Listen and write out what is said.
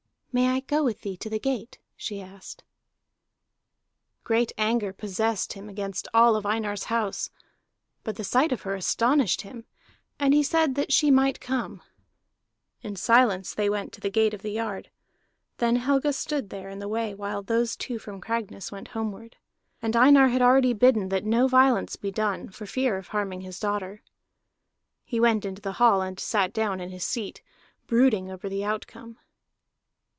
"May I go with thee to the gate?" she asked. Great anger possessed him against all of Einar's house, but the sight of her astonished him, and he said she might come. In silence they went to the gate of the yard; then Helga stood there in the way while those two from Cragness went homeward. And Einar had already bidden that no violence be done, for fear of harming his daughter. He went into the hall and sat down in his seat, brooding over the outcome.